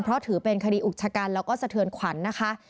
เพราะถือเป็นคดีอุกชะกันแล้วก็สะเทือนขวัญนะคะ